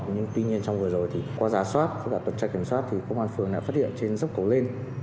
nhưng tuy nhiên trong vừa rồi thì qua giá soát tất cả tổ chức kiểm soát thì công an phường đã phát hiện trên dốc cầu lên